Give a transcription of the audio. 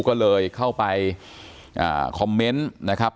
ก็เลยเข้าไปคอมเมนต์นะครับ